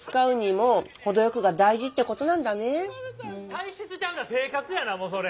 「体質ちゃうな性格やなもうそれ」。